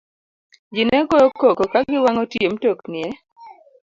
Ji ne goyo koko ka giwang'o tie mtokni e